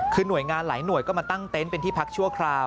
คือหน่วยงานหลายหน่วยก็มาตั้งเต็นต์เป็นที่พักชั่วคราว